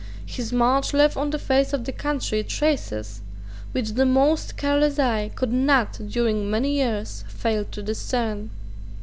His march left on the face of the country traces which the most careless eye could not during many years fail to discern.